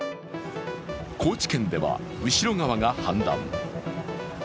高知県では後川が氾濫。